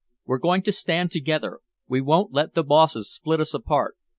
We're going to stand together, we won't let the bosses split us apart.